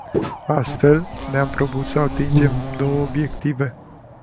Astfel, ne-am propus să atingem două obiective.